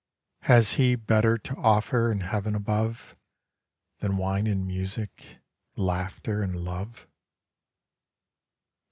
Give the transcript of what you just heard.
Has He better to offer in heaven above Than wine and music, laughter and love?